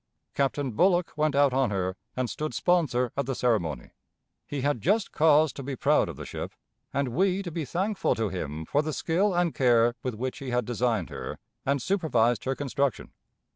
Captain Bullock went out on her and stood sponsor at the ceremony. He had just cause to be proud of the ship, and we to be thankful to him for the skill and care with which he had designed her and supervised her construction.